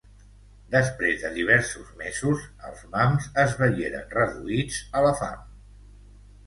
Després de diversos mesos, els mams es veieren reduïts a la fam.